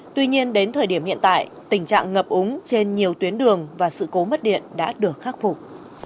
tuy nhiên đến thời điểm hiện tại tình trạng ngập úng trên nhiều tuyến đường và sự cố mất điện đã được khắc phục